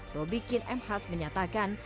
roby kinn m haas menyatakan